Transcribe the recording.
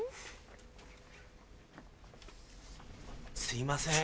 すいません。